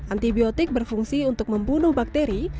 antibiotik berfungsi untuk membunuh bakteri